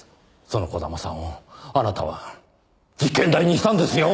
その児玉さんをあなたは実験台にしたんですよ！